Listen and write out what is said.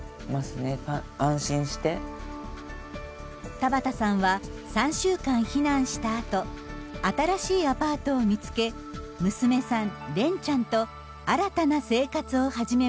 田畑さんは３週間避難したあと新しいアパートを見つけ娘さん蓮ちゃんと新たな生活を始めました。